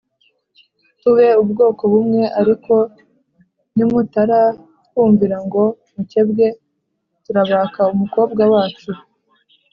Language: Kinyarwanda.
tube ubwoko bumwe Ariko nimutatwumvira ngo mukebwe turabaka umukobwa wacu